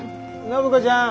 暢子ちゃん。